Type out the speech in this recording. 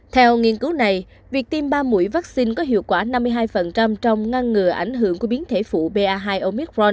theo nghiên cứu này việc tiêm ba mũi vaccine có hiệu quả năm mươi hai trong ngăn ngừa ảnh hưởng của biến thể phụ ba hai oicron